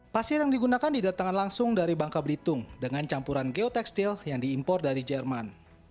pasir yang digunakan didatangkan langsung dari bangka belitung dengan campuran geotekstil yang diimpor dari jerman